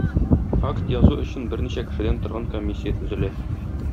Акт язу өчен берничә кешедән торган комиссия төзелә.